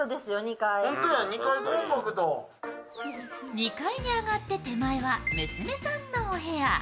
２階に上がって手前は娘さんのお部屋。